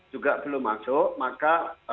juga belum masuk maka